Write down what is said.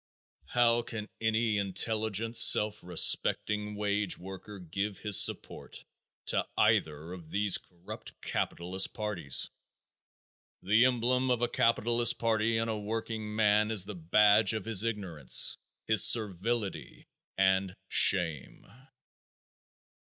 How can any intelligent, self respecting wage worker give his support to either of these corrupt capitalist parties? The emblem of a capitalist party on a working man is the badge of his ignorance, his servility and shame.